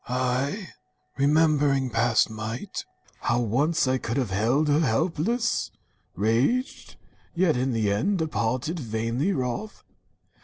I, remembering past might — How once I could have held her helpless — raged, Yet in the end departed, vainly wroth.